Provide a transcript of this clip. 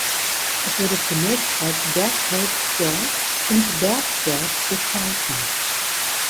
Es wurde zunächst als „Bertholdsdorf“ und „Berzdorf“ bezeichnet.